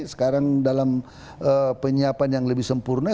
sekarang dalam penyiapan yang lebih sempurna